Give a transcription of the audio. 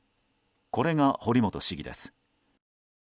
これが、堀本市議です。